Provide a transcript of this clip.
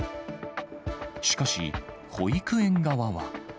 しかし、保育園側は。